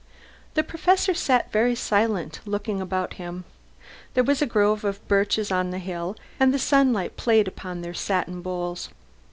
The Professor sat very silent, looking about him. There was a grove of birches on the hill, and the sunlight played upon their satin boles.